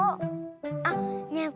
あっねえ